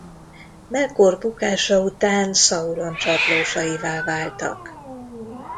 Melkor bukása után Szauron csatlósaivá váltak.